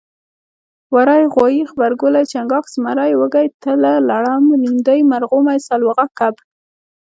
وری غوایي غبرګولی چنګاښ زمری وږی تله لړم لیندۍ مرغومی سلواغه کب